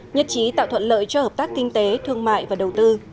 nhất trí tạo thuận lợi cho hợp tác kinh tế thương mại và đầu tư